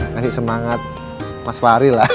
ngasih semangat mas fahri lah